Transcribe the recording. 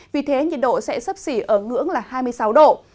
vì thế nhiệt độ sẽ sấp xỉ ở ngưỡng là hai mươi sáu độ